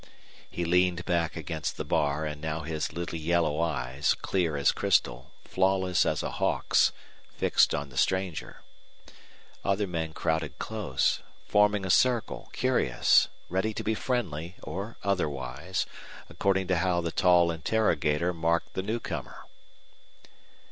He leaned back against the bar, and now his little yellow eyes, clear as crystal, flawless as a hawk's, fixed on the stranger. Other men crowded close, forming a circle, curious, ready to be friendly or otherwise, according to how the tall interrogator marked the new comer.